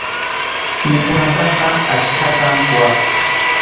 Mikhunataqa achkatam quwaqku.